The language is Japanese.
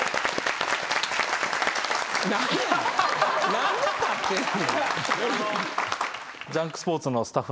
何で立ってんの？